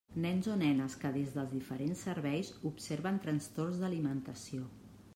Nens o nenes que des dels diferents serveis observen trastorns de l'alimentació.